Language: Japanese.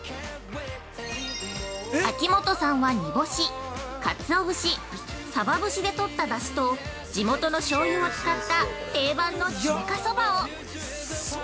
◆秋元さんは煮干し、鰹節、サバ節でとっただしと地元のしょうゆを使った、定番の中華そばを！